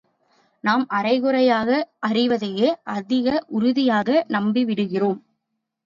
நாம் அரைகுறையாக அறிவதையே அதிக உறுதியாக நம்பிவிடுகிறோம்.